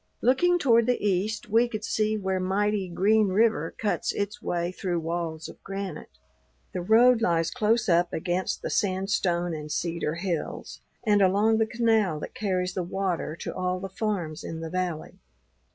Looking toward the east we could see where mighty Green River cuts its way through walls of granite. The road lies close up against the sandstone and cedar hills and along the canal that carries the water to all the farms in the valley.